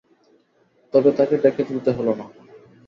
তবে তাঁকে ডেকে তুলতে হলো না।